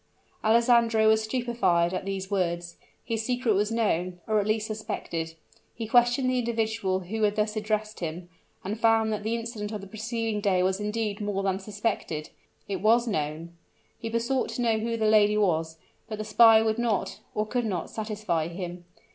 Alessandro was stupefied at these words. His secret was known, or at least suspected. He questioned the individual who had thus addressed him, and he found that the incident of the preceding day was indeed more than suspected it was known. He besought to know who the lady was; but the spy would not, or could not satisfy him.